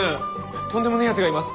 とんでもねぇやつがいます。